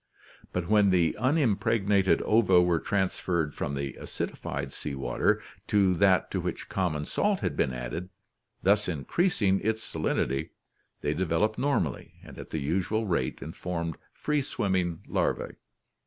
But when the unimpregnated ova were transferred from the acidified sea water to that to which common salt had been added, thus in creasing its salinity, they developed normally and at the usual rate and formed free swimming larvae.